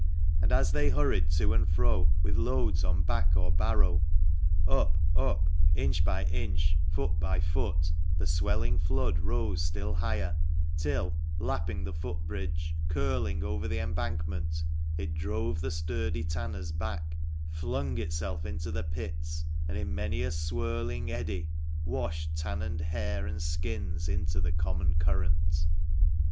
And as they hurried to and fro with loads on back or barrow, up, up, inch by inch, foot by foot, the swelling flood rose still higher, till, lapping the foot bridge, curling over the embankment, it drove the sturdy tanners back, flung itself into the pits, and, in many a swirling eddy, washed tan and hair and skins into the common current. 8 THE MANCHESTER MAN.